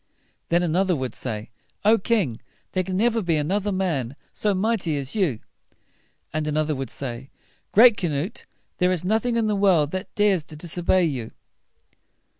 Then an oth er would say, "O king! there can never be an oth er man so mighty as you." And another would say, "Great Canute, there is nothing in the world that dares to dis o bey you."